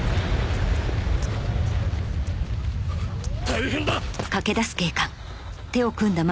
大変だ！